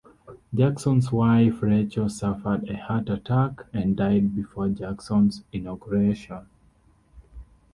Jackson's wife Rachel suffered a heart attack and died before Jackson's inauguration.